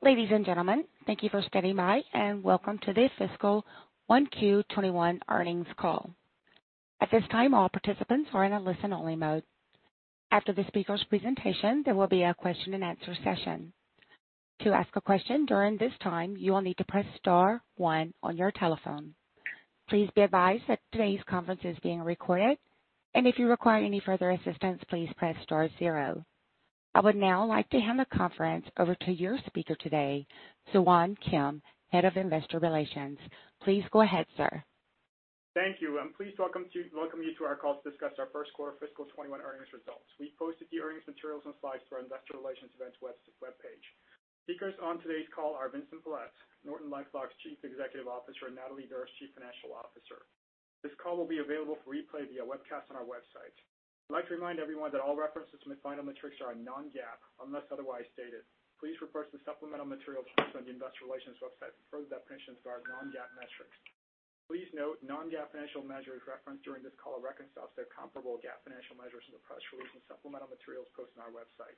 Ladies and gentlemen, thank you for standing by, and welcome to the Fiscal 1Q 2021 earnings call. At this time, all participants are in a listen-only mode. After the speaker's presentation, there will be a question and answer session. To ask a question during this time, you will need to press star one on your telephone. Please be advised that today's conference is being recorded, and if you require any further assistance, please press star zero. I would now like to hand the conference over to your speaker today, Soohwan Kim, Head of Investor Relations. Please go ahead, sir. Thank you. I'm pleased to welcome you to our call to discuss our first quarter fiscal 2021 earnings results. We posted the earnings materials and slides to our investor relations events webpage. Speakers on today's call are Vincent Pilette, NortonLifeLock's Chief Executive Officer, and Natalie Derse, Chief Financial Officer. This call will be available for replay via webcast on our website. I'd like to remind everyone that all references to final metrics are non-GAAP, unless otherwise stated. Please refer to the supplemental material posted on the investor relations website for further definitions of our non-GAAP metrics. Please note non-GAAP financial measures referenced during this call reconcile to their comparable GAAP financial measures in the press release and supplemental materials posted on our website.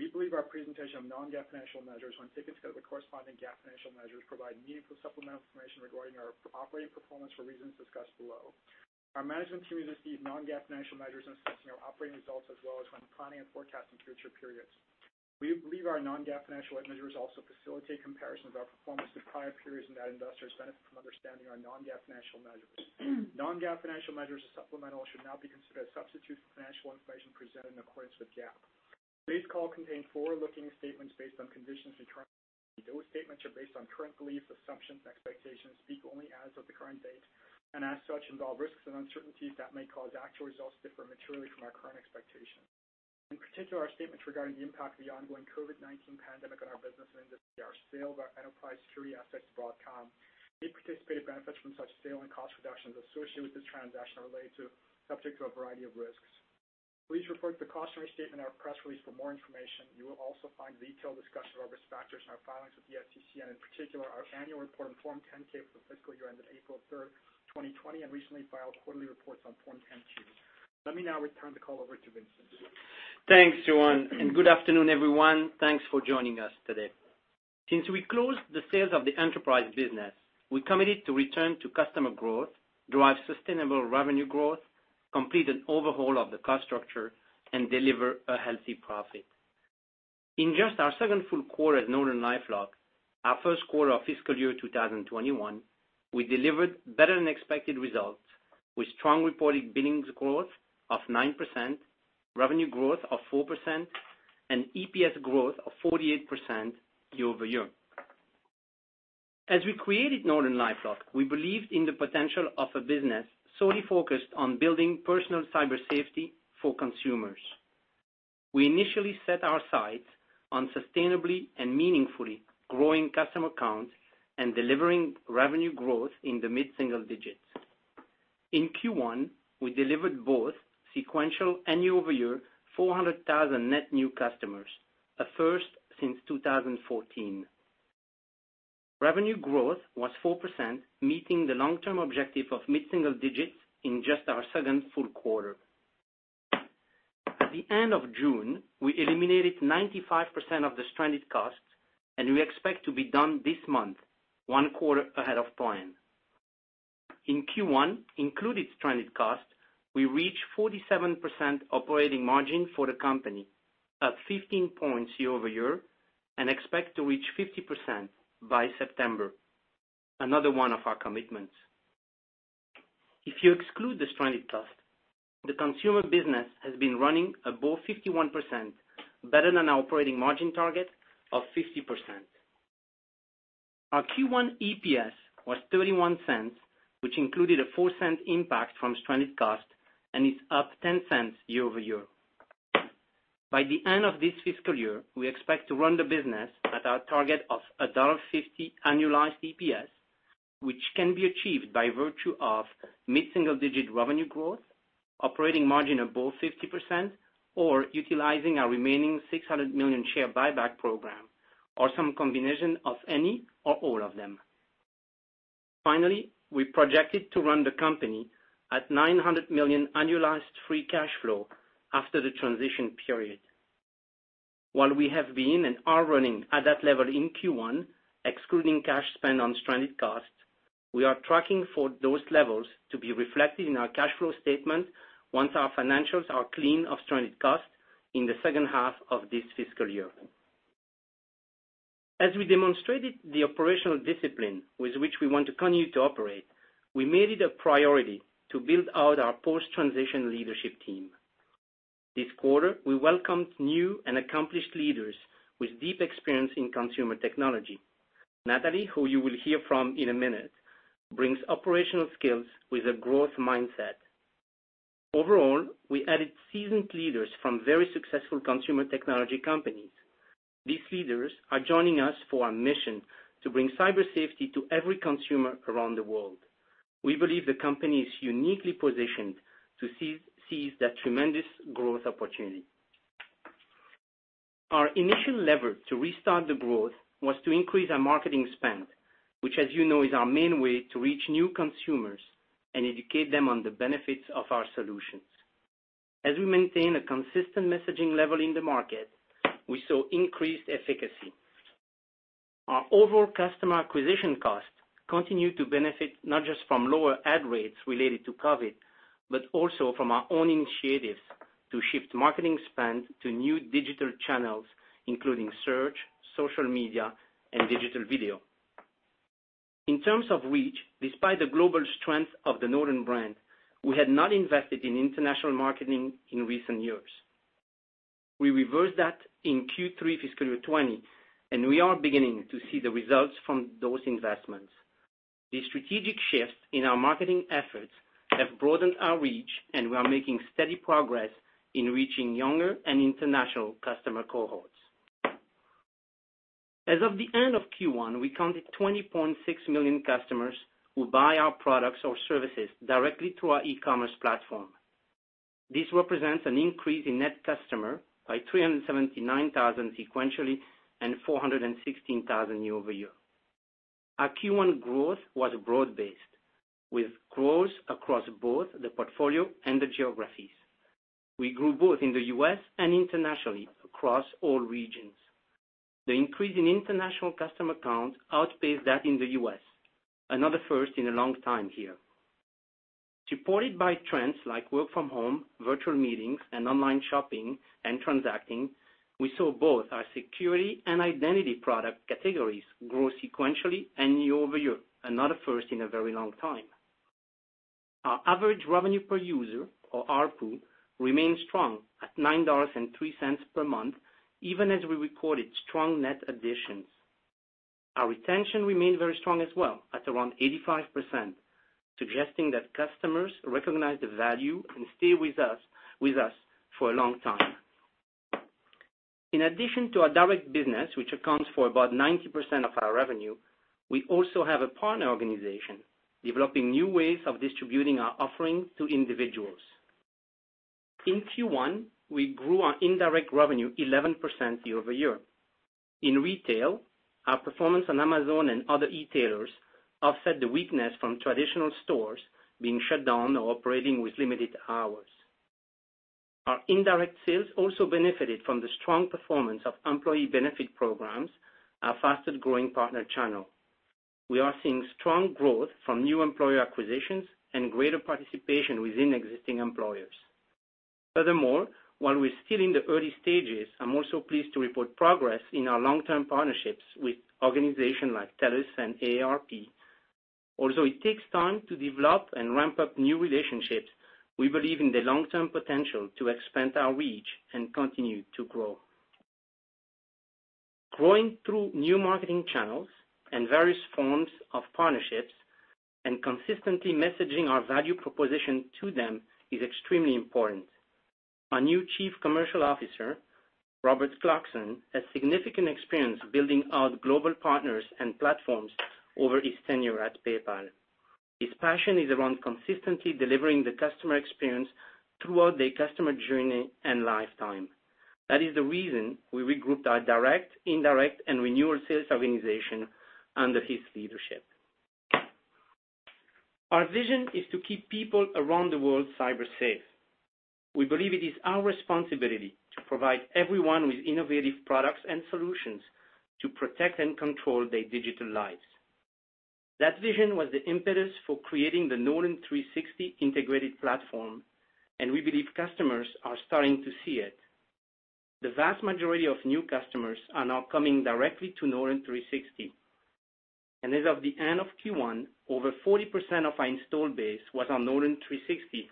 We believe our presentation of non-GAAP financial measures, when taken together with corresponding GAAP financial measures, provide meaningful supplemental information regarding our operating performance for reasons discussed below. Our management team receive non-GAAP financial measures in assessing our operating results as well as when planning and forecasting future periods. We believe our non-GAAP financial measures also facilitate comparison of our performance with prior periods and that investors benefit from understanding our non-GAAP financial measures. Non-GAAP financial measures are supplemental and should not be considered a substitute for financial information presented in accordance with GAAP. Today's call contains forward-looking statements based on conditions we currently see. Those statements are based on current beliefs, assumptions, expectations, speak only as of the current date, and as such, involve risks and uncertainties that may cause actual results to differ materially from our current expectations. In particular, our statements regarding the impact of the ongoing COVID-19 pandemic on our business and industry, our sale of our Enterprise security assets to Broadcom, any anticipated benefits from such sale, and cost reductions associated with this transaction are subject to a variety of risks. Please refer to the cautionary statement in our press release for more information. You will also find a detailed discussion of our risk factors in our filings with the SEC, and in particular, our annual report on Form 10-K for the fiscal year ended April 3rd, 2020, and recently filed quarterly reports on Form 10-Q. Let me now return the call over to Vincent. Thanks, Soohwan, good afternoon, everyone. Thanks for joining us today. Since we closed the sales of the Enterprise business, we committed to return to customer growth, drive sustainable revenue growth, complete an overhaul of the cost structure, and deliver a healthy profit. In just our second full quarter at NortonLifeLock, our first quarter of fiscal year 2021, we delivered better-than-expected results with strong reported billings growth of 9%, revenue growth of 4%, and EPS growth of 48% year-over-year. As we created NortonLifeLock, we believed in the potential of a business solely focused on building personal cyber safety for consumers. We initially set our sights on sustainably and meaningfully growing customer counts and delivering revenue growth in the mid-single digits. In Q1, we delivered both sequential and year-over-year 400,000 net new customers, a first since 2014. Revenue growth was 4%, meeting the long-term objective of mid-single digits in just our second full quarter. At the end of June, we eliminated 95% of the stranded costs, and we expect to be done this month, one quarter ahead of plan. In Q1, including stranded costs, we reached 47% operating margin for the company, up 15 points year-over-year, and expect to reach 50% by September, another one of our commitments. If you exclude the stranded costs, the consumer business has been running above 51%, better than our operating margin target of 50%. Our Q1 EPS was $0.31, which included a $0.04 impact from stranded costs, and is up $0.10 year-over-year. By the end of this fiscal year, we expect to run the business at our target of $1.50 annualized EPS, which can be achieved by virtue of mid-single-digit revenue growth, operating margin above 50%, or utilizing our remaining $600 million share buyback program, or some combination of any or all of them. Finally, we projected to run the company at $900 million annualized free cash flow after the transition period. While we have been and are running at that level in Q1, excluding cash spent on stranded costs, we are tracking for those levels to be reflected in our cash flow statement once our financials are clean of stranded costs in the second half of this fiscal year. As we demonstrated the operational discipline with which we want to continue to operate, we made it a priority to build out our post-transition leadership team. This quarter, we welcomed new and accomplished leaders with deep experience in consumer technology. Natalie, who you will hear from in a minute, brings operational skills with a growth mindset. Overall, we added seasoned leaders from very successful consumer technology companies. These leaders are joining us for our mission to bring cyber safety to every consumer around the world. We believe the company is uniquely positioned to seize that tremendous growth opportunity. Our initial lever to restart the growth was to increase our marketing spend, which, as you know, is our main way to reach new consumers and educate them on the benefits of our solutions. As we maintain a consistent messaging level in the market, we saw increased efficacy. Our overall Customer Acquisition Cost continued to benefit not just from lower ad rates related to COVID, but also from our own initiatives to shift marketing spend to new digital channels, including search, social media, and digital video. In terms of reach, despite the global strength of the Norton brand, we had not invested in international marketing in recent years. We reversed that in Q3 fiscal year 2020, and we are beginning to see the results from those investments. The strategic shifts in our marketing efforts have broadened our reach, and we are making steady progress in reaching younger and international customer cohorts. As of the end of Q1, we counted 20.6 million customers who buy our products or services directly through our e-commerce platform. This represents an increase in net customer by 379,000 sequentially and 416,000 year-over-year. Our Q1 growth was broad-based, with growth across both the portfolio and the geographies. We grew both in the U.S. and internationally across all regions. The increase in international customer count outpaced that in the U.S., another first in a long time here. Supported by trends like work from home, virtual meetings, and online shopping and transacting, we saw both our security and identity product categories grow sequentially and year-over-year, another first in a very long time. Our average revenue per user, or ARPU, remains strong at $9.03 per month, even as we recorded strong net additions. Our retention remained very strong as well at around 85%, suggesting that customers recognize the value and stay with us for a long time. In addition to our direct business, which accounts for about 90% of our revenue, we also have a partner organization developing new ways of distributing our offerings to individuals. In Q1, we grew our indirect revenue 11% year-over-year. In retail, our performance on Amazon and other e-tailers offset the weakness from traditional stores being shut down or operating with limited hours. Our indirect sales also benefited from the strong performance of employee benefit programs, our fastest-growing partner channel. We are seeing strong growth from new employer acquisitions and greater participation within existing employers. Furthermore, while we're still in the early stages, I'm also pleased to report progress in our long-term partnerships with organizations like TELUS and AARP. Although it takes time to develop and ramp up new relationships, we believe in the long-term potential to expand our reach and continue to grow. Growing through new marketing channels and various forms of partnerships and consistently messaging our value proposition to them is extremely important. Our new Chief Commercial Officer, Robert Clarkson, has significant experience building out global partners and platforms over his tenure at PayPal. His passion is around consistently delivering the customer experience throughout their customer journey and lifetime. That is the reason we regrouped our direct, indirect, and renewal sales organization under his leadership. Our vision is to keep people around the world cyber safe. We believe it is our responsibility to provide everyone with innovative products and solutions to protect and control their digital lives. That vision was the impetus for creating the Norton 360 integrated platform, and we believe customers are starting to see it. The vast majority of new customers are now coming directly to Norton 360, and as of the end of Q1, over 40% of our installed base was on Norton 360,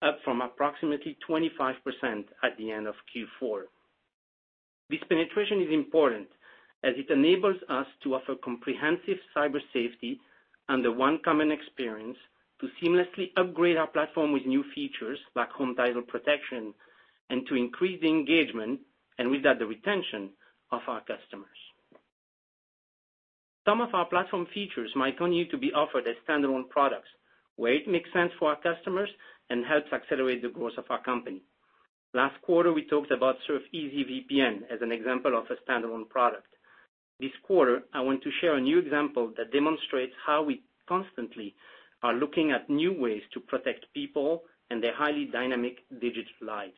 up from approximately 25% at the end of Q4. This penetration is important as it enables us to offer comprehensive cyber safety under one common experience to seamlessly upgrade our platform with new features, like home title protection, and to increase engagement, and with that, the retention of our customers. Some of our platform features might continue to be offered as standalone products where it makes sense for our customers and helps accelerate the growth of our company. Last quarter, we talked about SurfEasy VPN as an example of a standalone product. This quarter, I want to share a new example that demonstrates how we constantly are looking at new ways to protect people and their highly dynamic digital lives.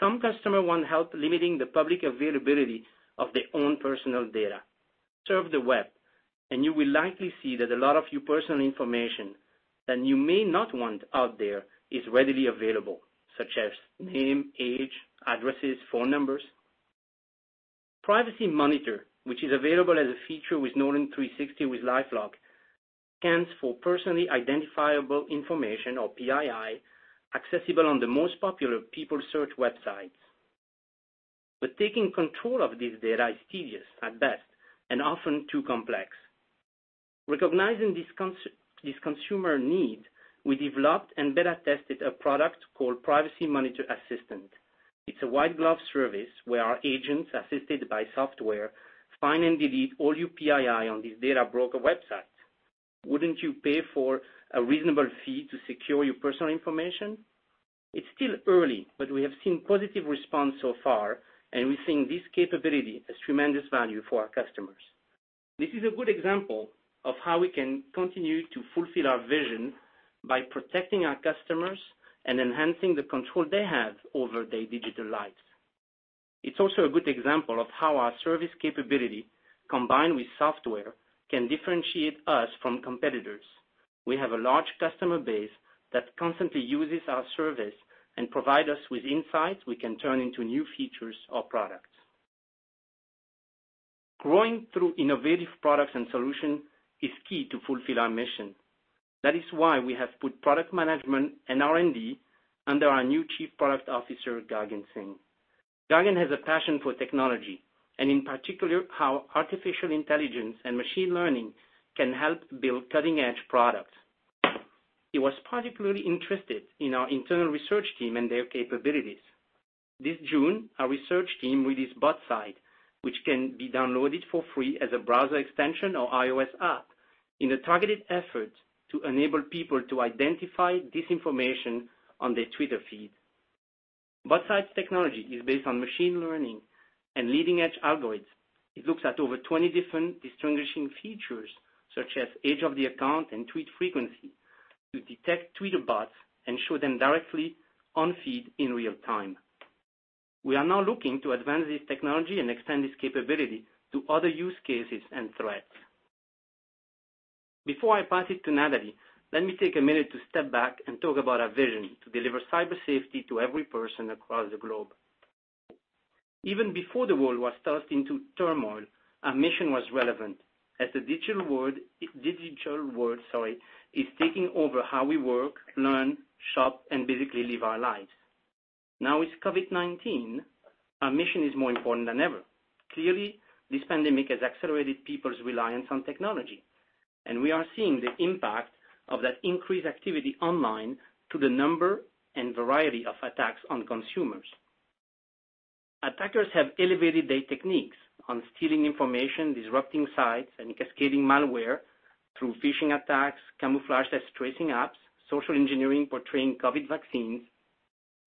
Some customers want help limiting the public availability of their own personal data. Surf the web, and you will likely see that a lot of your personal information that you may not want out there is readily available, such as name, age, addresses, phone numbers. Privacy Monitor, which is available as a feature with Norton 360 with LifeLock, scans for personally identifiable information, or PII, accessible on the most popular people search websites. Taking control of this data is tedious at best and often too complex. Recognizing this consumer need, we developed and beta tested a product called Privacy Monitor Assistant. It's a white glove service where our agents, assisted by software, find and delete all your PII on these data broker websites. Wouldn't you pay for a reasonable fee to secure your personal information? It's still early, but we have seen positive response so far, and we think this capability has tremendous value for our customers. This is a good example of how we can continue to fulfill our vision by protecting our customers and enhancing the control they have over their digital lives. It's also a good example of how our service capability, combined with software, can differentiate us from competitors. We have a large customer base that constantly uses our service and provide us with insights we can turn into new features or products. Growing through innovative products and solution is key to fulfill our mission. That is why we have put product management and R&D under our new Chief Product Officer, Gagan Singh. Gagan has a passion for technology, and in particular, how artificial intelligence and machine learning can help build cutting-edge products. He was particularly interested in our internal research team and their capabilities. This June, our research team released BotSight, which can be downloaded for free as a browser extension or iOS app in a targeted effort to enable people to identify disinformation on their Twitter feed. BotSight's technology is based on machine learning and leading-edge algorithms. It looks at over 20 different distinguishing features, such as age of the account and tweet frequency, to detect Twitter bots and show them directly on feed in real time. We are now looking to advance this technology and extend this capability to other use cases and threats. Before I pass it to Natalie, let me take a minute to step back and talk about our vision to deliver cyber safety to every person across the globe. Even before the world was thrust into turmoil, our mission was relevant as the digital world is taking over how we work, learn, shop, and basically live our lives. Now with COVID-19, our mission is more important than ever. Clearly, this pandemic has accelerated people's reliance on technology, and we are seeing the impact of that increased activity online to the number and variety of attacks on consumers. Attackers have elevated their techniques on stealing information, disrupting sites, and cascading malware through phishing attacks camouflaged as tracing apps, social engineering portraying COVID vaccines,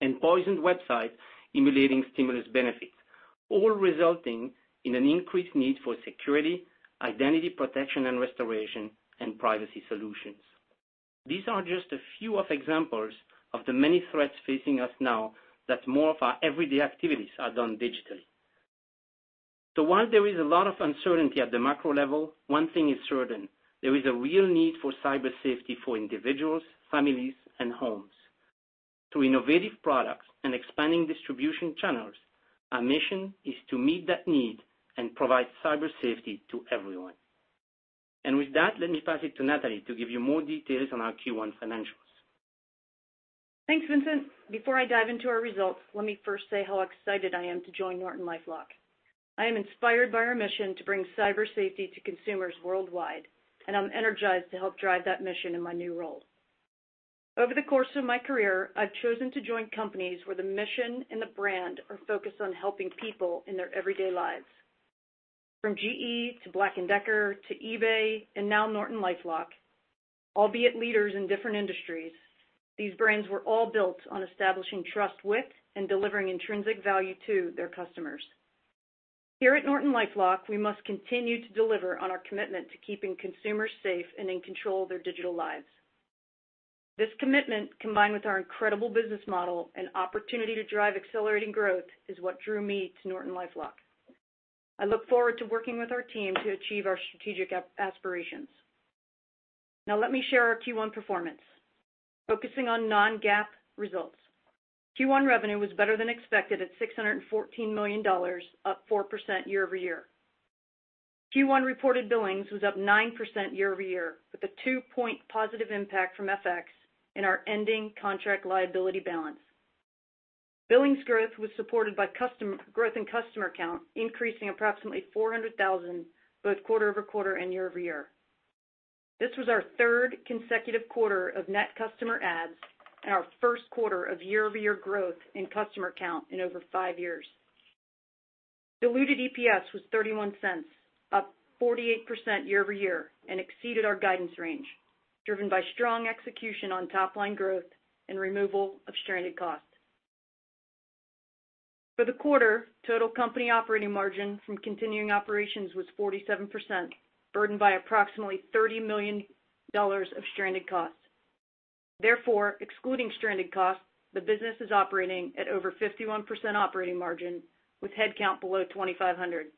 and poisoned websites emulating stimulus benefits, all resulting in an increased need for security, identity protection and restoration, and privacy solutions. These are just a few of examples of the many threats facing us now that more of our everyday activities are done digitally. While there is a lot of uncertainty at the macro level, one thing is certain, there is a real need for cyber safety for individuals, families, and homes. Through innovative products and expanding distribution channels, our mission is to meet that need and provide cyber safety to everyone. With that, let me pass it to Natalie to give you more details on our Q1 financials. Thanks, Vincent. Before I dive into our results, let me first say how excited I am to join NortonLifeLock. I am inspired by our mission to bring cyber safety to consumers worldwide, and I'm energized to help drive that mission in my new role. Over the course of my career, I've chosen to join companies where the mission and the brand are focused on helping people in their everyday lives. From GE to Black & Decker to eBay and now NortonLifeLock, albeit leaders in different industries, these brands were all built on establishing trust with and delivering intrinsic value to their customers. Here at NortonLifeLock, we must continue to deliver on our commitment to keeping consumers safe and in control of their digital lives. This commitment, combined with our incredible business model and opportunity to drive accelerating growth, is what drew me to NortonLifeLock. I look forward to working with our team to achieve our strategic aspirations. Now let me share our Q1 performance. Focusing on non-GAAP results. Q1 revenue was better than expected at $614 million, up 4% year-over-year. Q1 reported billings was up 9% year-over-year, with a two-point positive impact from FX in our ending contract liability balance. Billings growth was supported by growth in customer count, increasing approximately 400,000 both quarter-over-quarter and year-over-year. This was our third consecutive quarter of net customer adds and our first quarter of year-over-year growth in customer count in over five years. Diluted EPS was $0.31, up 48% year-over-year, and exceeded our guidance range, driven by strong execution on top-line growth and removal of stranded costs. For the quarter, total company operating margin from continuing operations was 47%, burdened by approximately $30 million of stranded costs. Excluding stranded costs, the business is operating at over 51% operating margin with headcount below 2,500.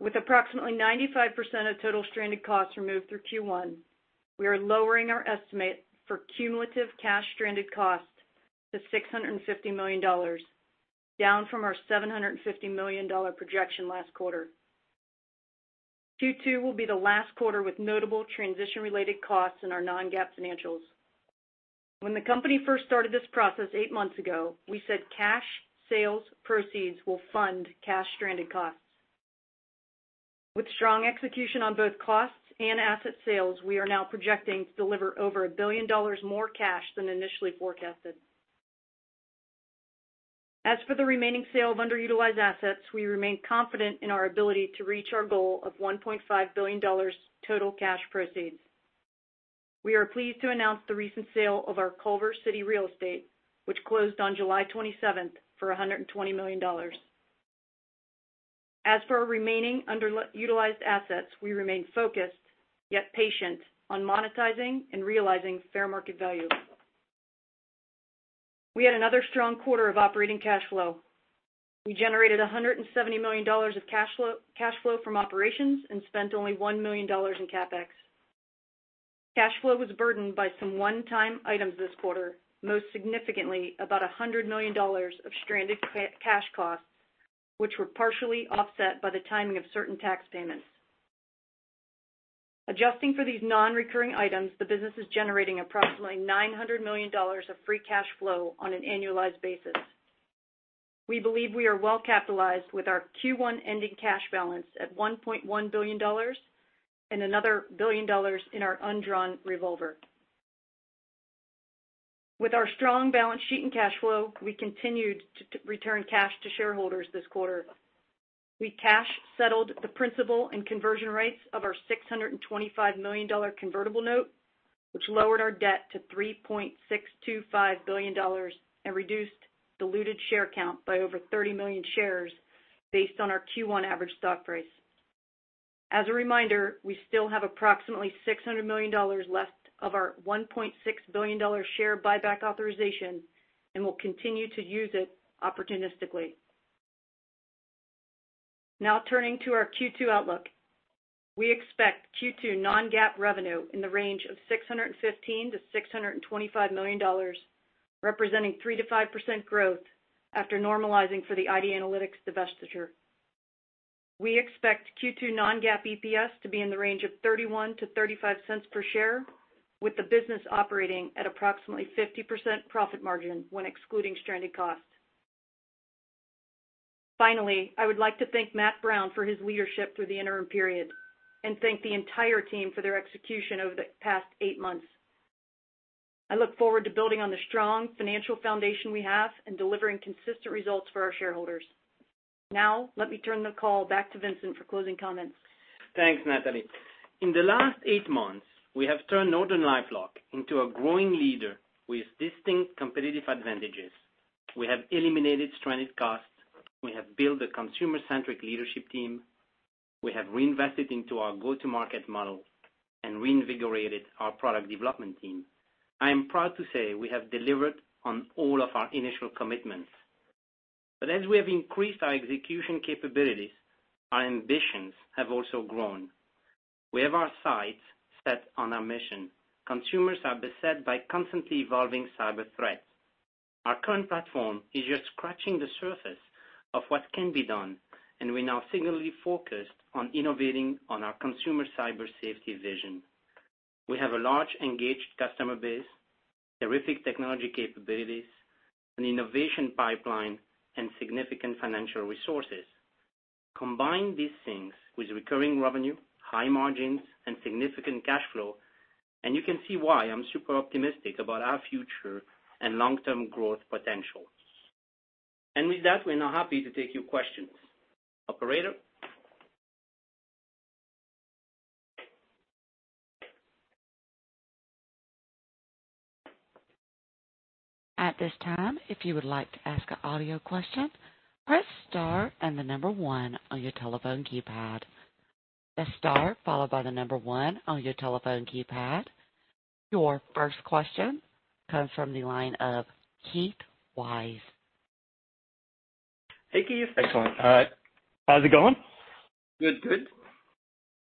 With approximately 95% of total stranded costs removed through Q1, we are lowering our estimate for cumulative cash stranded costs to $650 million, down from our $750 million projection last quarter. Q2 will be the last quarter with notable transition-related costs in our non-GAAP financials. When the company first started this process eight months ago, we said cash sales proceeds will fund cash stranded costs. With strong execution on both costs and asset sales, we are now projecting to deliver over $1 billion more cash than initially forecasted. As for the remaining sale of underutilized assets, we remain confident in our ability to reach our goal of $1.5 billion total cash proceeds. We are pleased to announce the recent sale of our Culver City real estate, which closed on July 27th for $120 million. As for our remaining underutilized assets, we remain focused yet patient on monetizing and realizing fair market value. We had another strong quarter of operating cash flow. We generated $170 million of cash flow from operations and spent only $1 million in CapEx. Cash flow was burdened by some one-time items this quarter, most significantly about $100 million of stranded cash costs, which were partially offset by the timing of certain tax payments. Adjusting for these non-recurring items, the business is generating approximately $900 million of free cash flow on an annualized basis. We believe we are well capitalized with our Q1-ending cash balance at $1.1 billion and another $1 billion in our undrawn revolver. With our strong balance sheet and cash flow, we continued to return cash to shareholders this quarter. We cash-settled the principal and conversion rates of our $625 million convertible note, which lowered our debt to $3.625 billion and reduced diluted share count by over 30 million shares based on our Q1 average stock price. As a reminder, we still have approximately $600 million left of our $1.6 billion share buyback authorization and will continue to use it opportunistically. Now turning to our Q2 outlook. We expect Q2 non-GAAP revenue in the range of $615 million-$625 million, representing 3%-5% growth after normalizing for the ID Analytics divestiture. We expect Q2 non-GAAP EPS to be in the range of $0.31-$0.35 per share, with the business operating at approximately 50% profit margin when excluding stranded costs. Finally, I would like to thank Matthew Brown for his leadership through the interim period and thank the entire team for their execution over the past eight months. I look forward to building on the strong financial foundation we have and delivering consistent results for our shareholders. Now, let me turn the call back to Vincent for closing comments. Thanks, Natalie. In the last eight months, we have turned NortonLifeLock into a growing leader with distinct competitive advantages. We have eliminated stranded costs. We have built a consumer-centric leadership team. We have reinvested into our go-to-market model and reinvigorated our product development team. I am proud to say we have delivered on all of our initial commitments. As we have increased our execution capabilities, our ambitions have also grown. We have our sights set on our mission. Consumers are beset by constantly evolving cyber threats. Our current platform is just scratching the surface of what can be done, and we're now singularly focused on innovating on our consumer cyber safety vision. We have a large, engaged customer base, terrific technology capabilities, an innovation pipeline, and significant financial resources. Combine these things with recurring revenue, high margins, and significant cash flow, and you can see why I'm super optimistic about our future and long-term growth potential. With that, we're now happy to take your questions. Operator? At this time, if you would like to ask an audio question, press star and the number one on your telephone keypad. Press star followed by the number one on your telephone keypad. Your first question comes from the line of Keith Weiss. Hey, Keith. Excellent. How's it going? Good.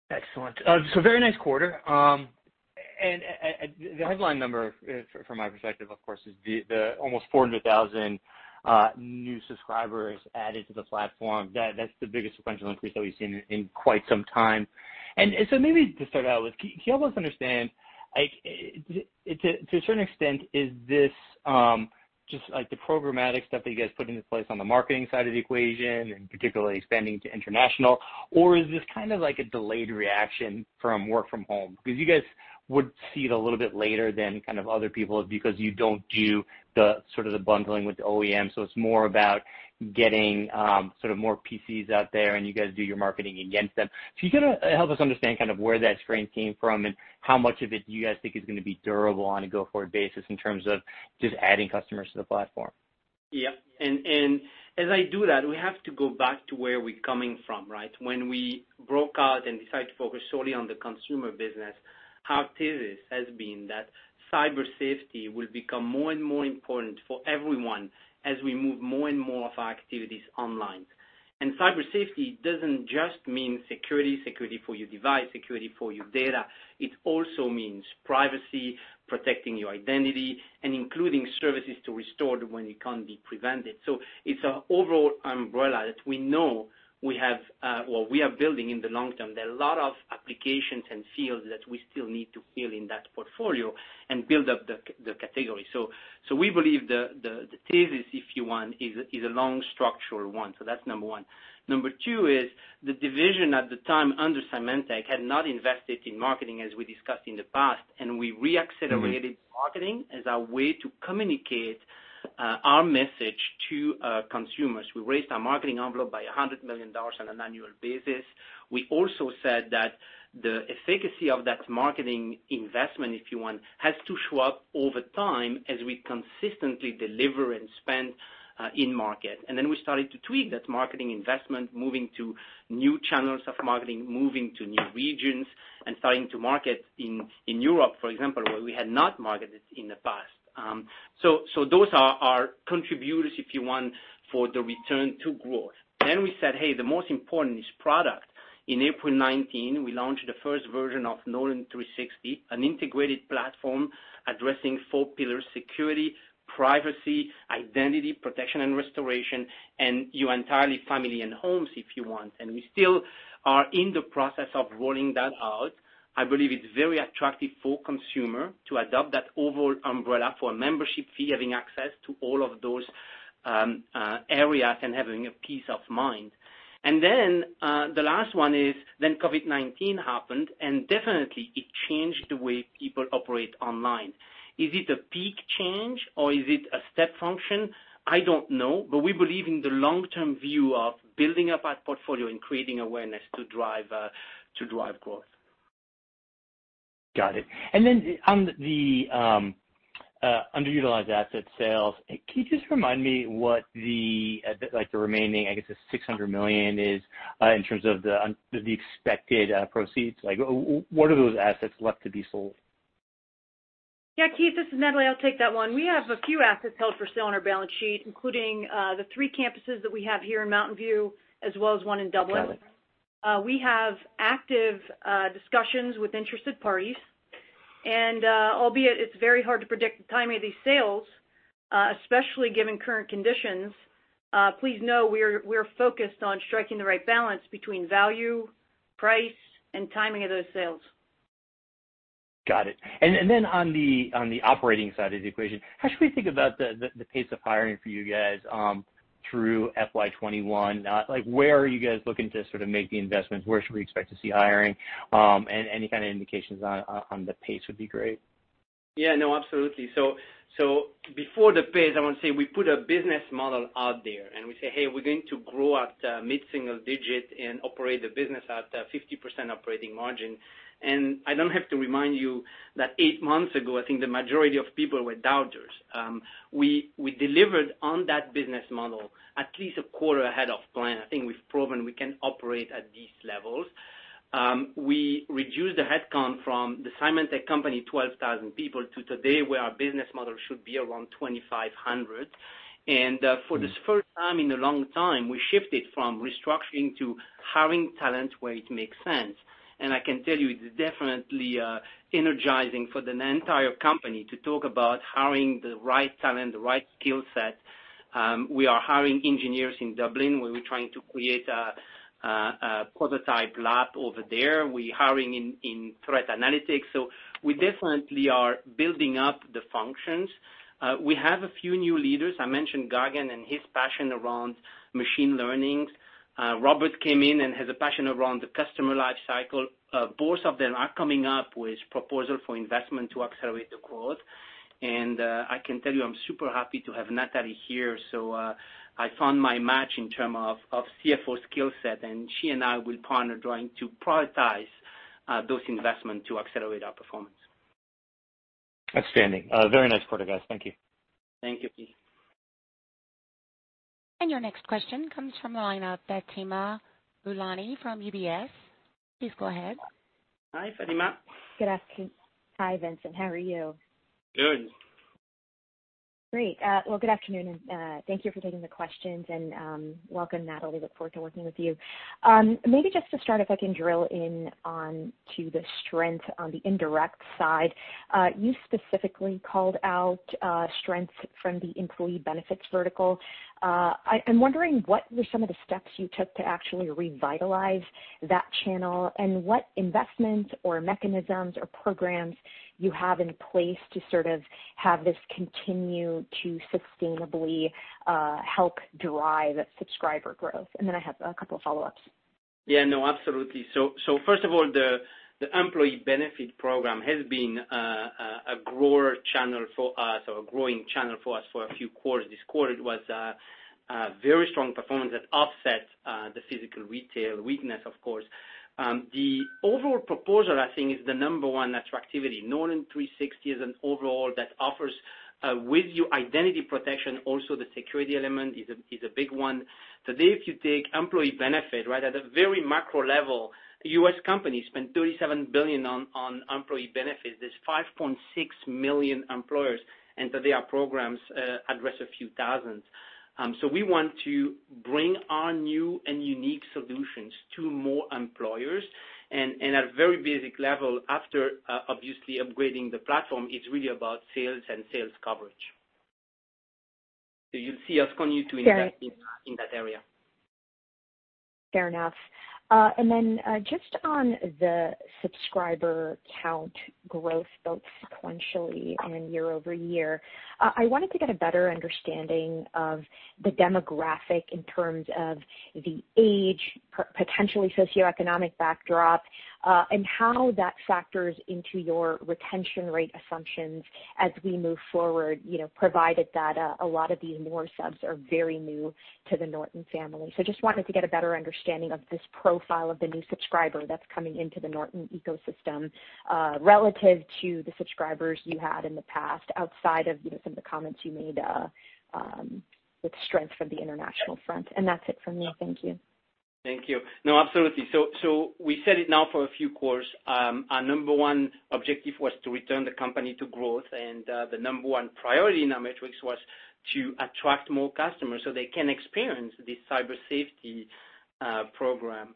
Excellent. Very nice quarter. The headline number from my perspective, of course, is the almost 400,000 new subscribers added to the platform. That's the biggest sequential increase that we've seen in quite some time. Maybe to start out with, can you help us understand, to a certain extent, is this just the programmatic stuff that you guys put into place on the marketing side of the equation and particularly expanding to international, or is this kind of like a delayed reaction from work from home? Because you guys would see it a little bit later than kind of other people because you don't do the sort of the bundling with the OEM, so it's more about getting sort of more PCs out there, and you guys do your marketing against them. You kind of help us understand kind of where that strength came from and how much of it do you guys think is going to be durable on a go-forward basis in terms of just adding customers to the platform? Yeah. As I do that, we have to go back to where we're coming from, right? When we broke out and decided to focus solely on the consumer business, our thesis has been that cyber safety will become more and more important for everyone as we move more and more of our activities online. Cyber safety doesn't just mean security for your device, security for your data. It also means privacy, protecting your identity, and including services to restore when it can't be prevented. It's an overall umbrella that we know we are building in the long term. There are a lot of applications and fields that we still need to fill in that portfolio and build up the category. We believe the thesis, if you want, is a long structural one. That's number one. Number two is the division at the time under Symantec had not invested in marketing, as we discussed in the past, and we re-accelerated marketing as our way to communicate our message to consumers. We raised our marketing envelope by $100 million on an annual basis. We also said that the efficacy of that marketing investment, if you want, has to show up over time as we consistently deliver and spend in market. Then we started to tweak that marketing investment, moving to new channels of marketing, moving to new regions, and starting to market in Europe, for example, where we had not marketed in the past. Those are our contributors, if you want, for the return to growth. We said, hey, the most important is product. In April 2019, we launched the first version of Norton 360, an integrated platform addressing four pillars, security, privacy, identity protection and restoration, and your entire family and homes, if you want. We still are in the process of rolling that out. I believe it's very attractive for consumer to adopt that overall umbrella for a membership fee, having access to all of those areas and having a peace of mind. The last one is, then COVID-19 happened, and definitely it changed the way people operate online. Is it a peak change or is it a step function? I don't know, but we believe in the long-term view of building up our portfolio and creating awareness to drive growth. Got it. On the underutilized asset sales, can you just remind me what the remaining, I guess the $600 million is in terms of the expected proceeds? What are those assets left to be sold? Yeah, Keith, this is Natalie. I'll take that one. We have a few assets held for sale on our balance sheet, including the three campuses that we have here in Mountain View, as well as one in Dublin. Dublin. We have active discussions with interested parties, albeit it's very hard to predict the timing of these sales, especially given current conditions. Please know we're focused on striking the right balance between value, price, and timing of those sales. Got it. On the operating side of the equation, how should we think about the pace of hiring for you guys through FY 2021? Where are you guys looking to sort of make the investments? Where should we expect to see hiring? Any kind of indications on the pace would be great. No, absolutely. Before the pace, I want to say, we put a business model out there and we say, hey, we're going to grow at mid-single digit and operate the business at 50% operating margin. I don't have to remind you that eight months ago, I think the majority of people were doubters. We delivered on that business model at least a quarter ahead of plan. I think we've proven we can operate at these levels. We reduced the headcount from the Symantec company, 12,000 people, to today, where our business model should be around 2,500. For this first time in a long time, we shifted from restructuring to hiring talent where it makes sense. I can tell you, it's definitely energizing for an entire company to talk about hiring the right talent, the right skill set. We are hiring engineers in Dublin. We're trying to create a prototype lab over there. We're hiring in threat analytics, so we definitely are building up the functions. We have a few new leaders. I mentioned Gagan and his passion around machine learning. Robert came in and has a passion around the customer life cycle. Both of them are coming up with proposal for investment to accelerate the growth. I can tell you, I'm super happy to have Natalie here. I found my match in term of CFO skill set, and she and I will partner trying to prioritize those investment to accelerate our performance. Outstanding. Very nice quarter, guys. Thank you. Thank you, Keith. Your next question comes from the line of Fatima Boolani from UBS. Please go ahead. Hi, Fatima. Hi, Vincent. How are you? Good. Great. Well, good afternoon, thank you for taking the questions and welcome, Natalie. Look forward to working with you. Maybe just to start, if I can drill in on to the strength on the indirect side. You specifically called out strengths from the employee benefits vertical. I'm wondering what were some of the steps you took to actually revitalize that channel, what investments or mechanisms or programs you have in place to sort of have this continue to sustainably help drive subscriber growth. Then I have a couple of follow-ups. Yeah. No, absolutely. First of all, the employee benefit program has been a grower channel for us, or a growing channel for us for a few quarters. This quarter it was very strong performance that offsets the physical retail weakness, of course. The overall proposal, I think, is the number one attractivity. Norton 360 is an overall that offers with your identity protection, also the security element is a big one. Today, if you take employee benefit, at a very macro level, U.S. companies spend $37 billion on employee benefits. There's 5.6 million employers, and today our programs address a few thousands. We want to bring our new and unique solutions to more employers. At a very basic level, after obviously upgrading the platform, it's really about sales and sales coverage. You'll see us continue to invest- Fair -in that area. Fair enough. Then, just on the subscriber count growth, both sequentially and year-over-year, I wanted to get a better understanding of the demographic in terms of the age, potentially socioeconomic backdrop, and how that factors into your retention rate assumptions as we move forward, provided that a lot of these more subs are very new to the Norton family. Just wanted to get a better understanding of this profile of the new subscriber that's coming into the Norton ecosystem, relative to the subscribers you had in the past, outside of some of the comments you made with strength from the international front. That's it from me. Thank you. Thank you. Absolutely. We said it now for a few quarters. Our number one objective was to return the company to growth. The number one priority in our metrics was to attract more customers so they can experience this cyber safety program.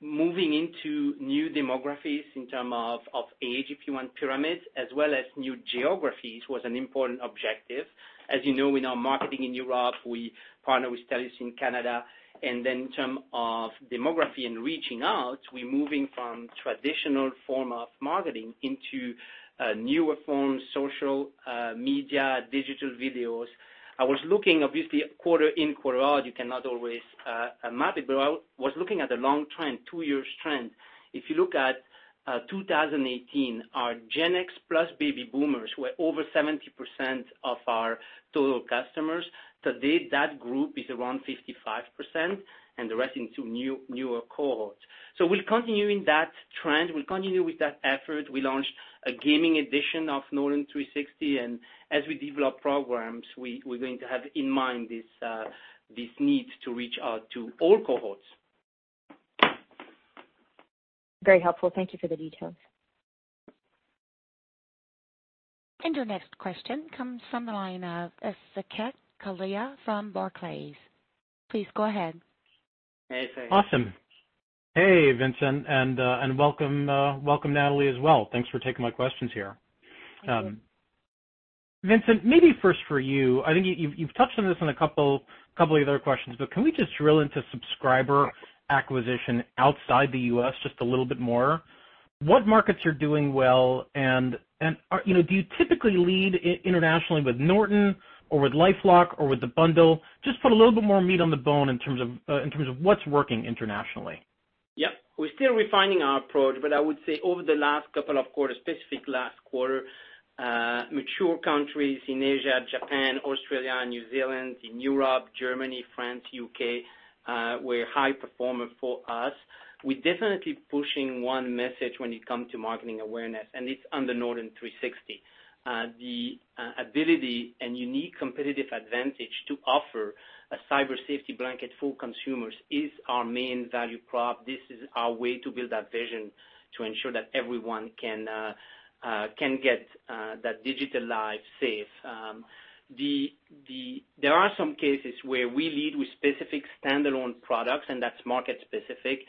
Moving into new demographies in terms of age, if you want, pyramids, as well as new geographies, was an important objective. As you know, in our marketing in Europe, we partner with TELUS in Canada. In terms of demography and reaching out, we're moving from traditional form of marketing into newer forms, social media, digital videos. I was looking obviously quarter in, quarter out, you cannot always map it, but I was looking at the long trend, two years trend. If you look at 2018, our Gen X plus baby boomers were over 70% of our total customers. Today, that group is around 55%, and the rest into newer cohorts. We'll continue in that trend. We'll continue with that effort. We launched a gaming edition of Norton 360, and as we develop programs, we're going to have in mind this need to reach out to all cohorts. Very helpful. Thank you for the details. Your next question comes from the line of Saket Kalia from Barclays. Please go ahead. Hey, Saket. Awesome. Hey, Vincent, and welcome, Natalie as well. Thanks for taking my questions here. Thank you. Vincent, maybe first for you, I think you've touched on this on a couple of other questions, but can we just drill into subscriber acquisition outside the U.S. just a little bit more? What markets are doing well, and do you typically lead internationally with Norton or with LifeLock or with the bundle? Put a little bit more meat on the bone in terms of what's working internationally. Yep. We're still refining our approach, but I would say over the last couple of quarters, specific last quarter, mature countries in Asia, Japan, Australia, New Zealand, in Europe, Germany, France, U.K., were high performer for us. We're definitely pushing one message when it come to marketing awareness, and it's under Norton 360. The ability and unique competitive advantage to offer a cyber safety blanket for consumers is our main value prop. This is our way to build that vision to ensure that everyone can get that digital life safe. There are some cases where we lead with specific standalone products, and that's market specific.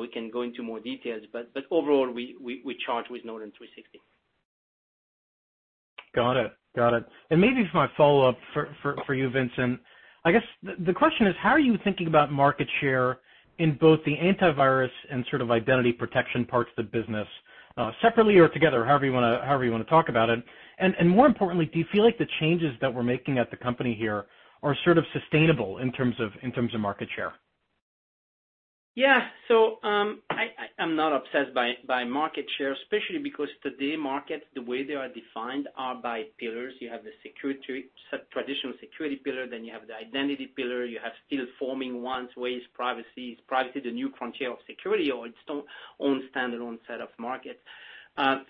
We can go into more details, but overall, we charge with Norton 360. Got it. Maybe for my follow-up for you, Vincent, I guess the question is: how are you thinking about market share in both the antivirus and sort of identity protection parts of the business, separately or together, however you want to talk about it. More importantly, do you feel like the changes that we're making at the company here are sort of sustainable in terms of market share? Yeah. I'm not obsessed by market share, especially because today markets, the way they are defined are by pillars. You have the traditional security pillar, you have the identity pillar, you have still forming ones where is privacy. Is privacy the new frontier of security, or its own standalone set of markets?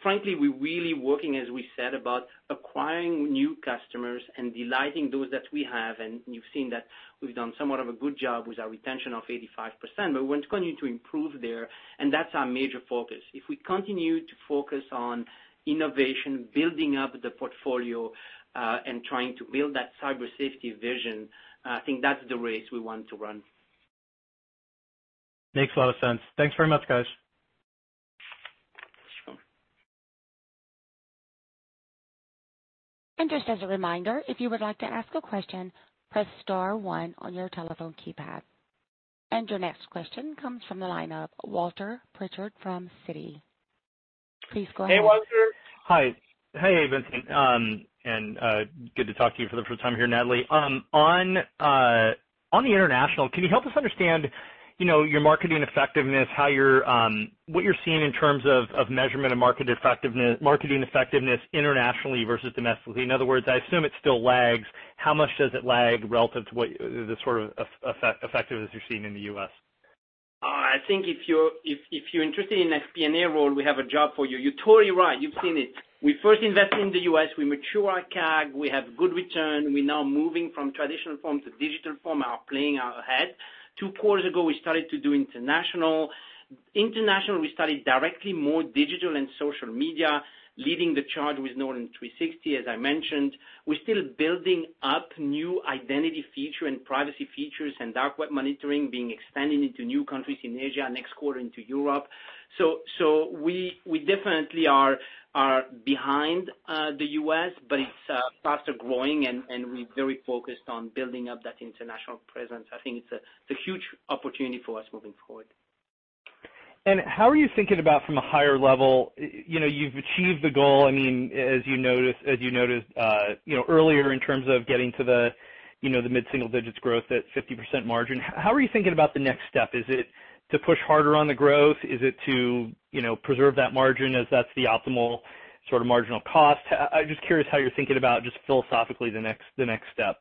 Frankly, we're really working, as we said, about acquiring new customers and delighting those that we have. You've seen that we've done somewhat of a good job with our retention of 85%, we want to continue to improve there, and that's our major focus. If we continue to focus on innovation, building up the portfolio, and trying to build that cyber safety vision, I think that's the race we want to run. Makes a lot of sense. Thanks very much, guys. Just as a reminder, if you would like to ask a question, press star one on your telephone keypad. Your next question comes from the line of Walter Pritchard from Citi. Please go ahead. Hey, Walter. Hi. Hey, Vincent. Good to talk to you for the first time here, Natalie. On the international, can you help us understand Your marketing effectiveness, what you're seeing in terms of measurement of marketing effectiveness internationally versus domestically. In other words, I assume it still lags. How much does it lag relative to the sort of effectiveness you're seeing in the U.S.? I think if you're interested in FP&A role, we have a job for you. You're totally right. You've seen it. We first invest in the U.S. We mature our CAC. We have good return. We're now moving from traditional form to digital form, are playing ahead. Two quarters ago, we started to do international. International, we started directly more digital and social media, leading the charge with Norton 360, as I mentioned. We're still building up new identity feature and privacy features and dark web monitoring being expanded into new countries in Asia, next quarter into Europe. We definitely are behind the U.S., but it's faster-growing, and we're very focused on building up that international presence. I think it's a huge opportunity for us moving forward. How are you thinking about from a higher level? You've achieved the goal, as you noted earlier, in terms of getting to the mid-single digits growth at 50% margin. How are you thinking about the next step? Is it to push harder on the growth? Is it to preserve that margin as that's the optimal sort of marginal cost? I'm just curious how you're thinking about, just philosophically, the next step.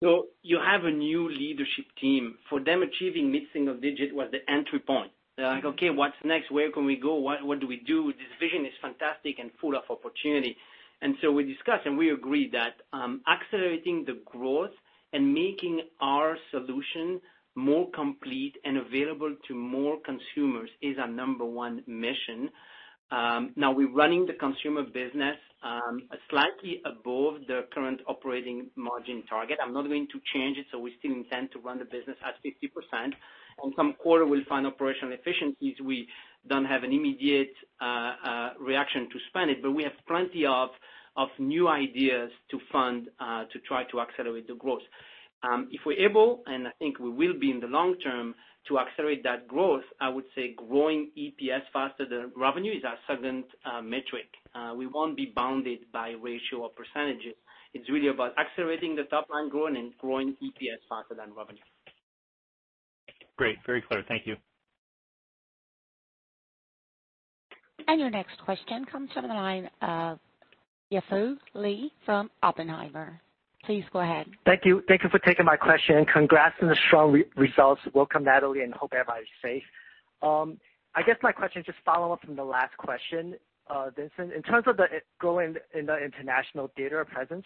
You have a new leadership team. For them, achieving mid-single digit was the entry point. They're like, okay, what's next? Where can we go? What do we do? This vision is fantastic and full of opportunity. We discussed, and we agreed that accelerating the growth and making our solution more complete and available to more consumers is our number one mission. Now we're running the consumer business slightly above the current operating margin target. I'm not going to change it. We still intend to run the business at 50%. On some quarter, we'll find operational efficiencies. We don't have an immediate reaction to spend it. We have plenty of new ideas to fund to try to accelerate the growth. If we're able, and I think we will be in the long term, to accelerate that growth, I would say growing EPS faster than revenue is our second metric. We won't be bounded by ratio or percentages. It's really about accelerating the top-line growth and growing EPS faster than revenue. Great. Very clear. Thank you. Your next question comes from the line of Yi Fu Lee from Oppenheimer. Please go ahead. Thank you for taking my question, and congrats on the strong results. Welcome, Natalie, and hope everybody's safe. I guess my question just follow up from the last question, Vincent. In terms of the growing in the international theater presence,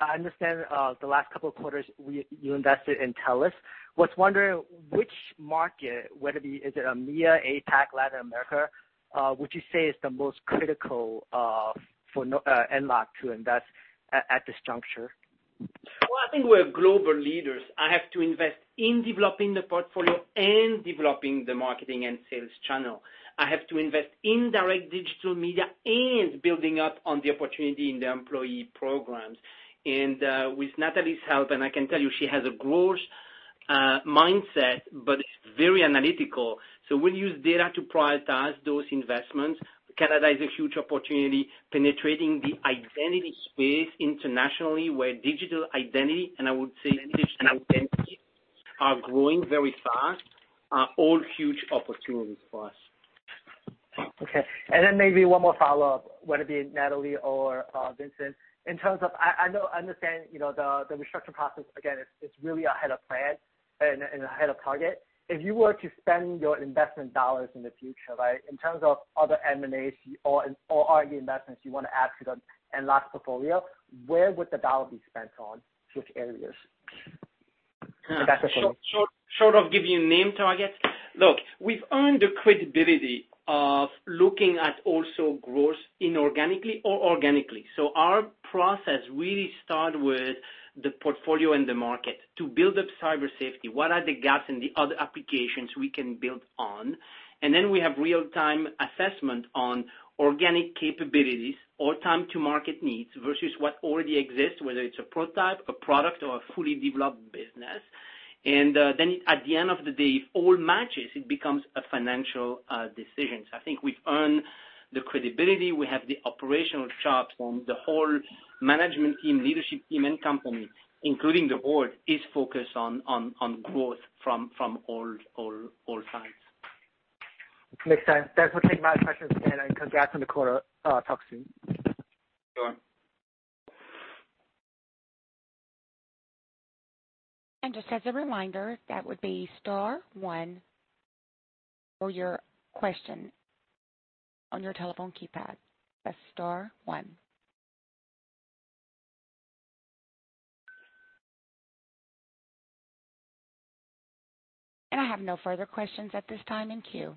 I understand the last couple of quarters, you invested in TELUS. Was wondering which market, whether is it EMEA, APAC, Latin America, would you say is the most critical for NortonLifeLock to invest at this juncture? Well, I think we're global leaders. I have to invest in developing the portfolio and developing the marketing and sales channel. I have to invest in direct digital media and building up on the opportunity in the employee programs. With Natalie's help, and I can tell you she has a growth mindset, but it's very analytical. We'll use data to prioritize those investments. Canada is a huge opportunity. Penetrating the identity space internationally, where digital identity, and I would say digital identities are growing very fast, are all huge opportunities for us. Okay, maybe one more follow-up, whether it be Natalie or Vincent. I understand the restructure process, again, it's really ahead of plan and ahead of target. If you were to spend your investment dollars in the future, in terms of other M&As or other investments you want to add to the NortonLifeLock portfolio, where would the dollar be spent on, which areas? As an investment. Should I give you name targets? Look, we've earned the credibility of looking at also growth inorganically or organically. Our process really start with the portfolio and the market to build up cyber safety. What are the gaps in the other applications we can build on? We have real-time assessment on organic capabilities or time to market needs versus what already exists, whether it's a prototype, a product, or a fully developed business. At the end of the day, if all matches, it becomes a financial decision. I think we've earned the credibility. We have the operational sharp form. The whole management team, leadership team, and company, including the board, is focused on growth from all sides. Makes sense. Thanks for taking my questions, and congrats on the quarter. Talk soon. Sure. Just as a reminder, that would be star one for your question on your telephone keypad. That's star one. I have no further questions at this time in queue.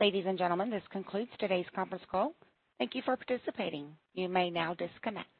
Ladies and gentlemen, this concludes today's conference call. Thank you for participating. You may now disconnect.